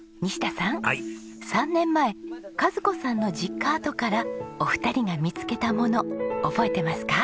３年前和子さんの実家跡からお二人が見つけたもの覚えてますか？